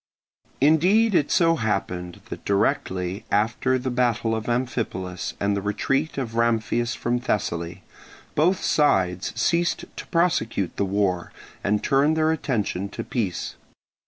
Indeed it so happened that directly after the battle of Amphipolis and the retreat of Ramphias from Thessaly, both sides ceased to prosecute the war and turned their attention to peace.